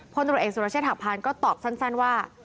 พ่อตรวจเอกสุริยะถักพันธ์ก็ตอบสั้นว่า